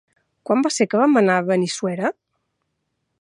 Quan va ser que vam anar a Benissuera?